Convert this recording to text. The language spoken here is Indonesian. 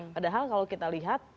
padahal kalau kita lihat